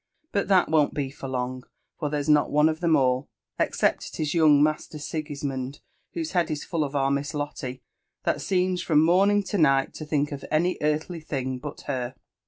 But that won't be for long, for there's not one of them all, except it is young Master Sigismond, whose head is full of our Miss Lotte, that seems from morning to night to think of any earthly thing but her."